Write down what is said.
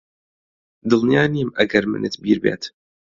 دڵنیا نیم ئەگەر منت بیر بێت